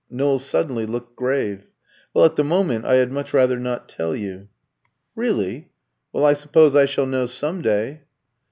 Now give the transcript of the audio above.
Knowles suddenly looked grave. "Well, at the moment, I had much rather not tell you." "Really? Well, I suppose I shall know some day."